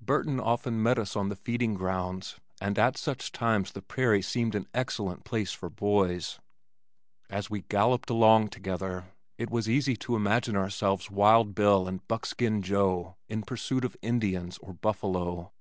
Burton often met us on the feeding grounds, and at such times the prairie seemed an excellent place for boys. As we galloped along together it was easy to imagine ourselves Wild Bill and Buckskin Joe in pursuit of Indians or buffalo.